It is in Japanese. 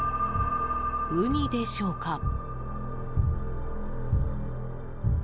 ウニでしょうか。